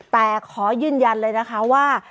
แต่ขอยืนยันเลยนะคะว่า